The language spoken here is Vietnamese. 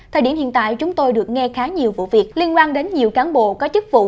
thời điểm hiện tại chúng tôi được nghe khá nhiều vụ việc liên quan đến nhiều cán bộ có chức vụ